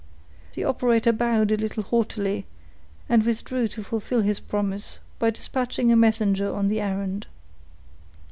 The operator bowed a little haughtily, and withdrew to fulfill his promise, by dispatching a messenger on the errand.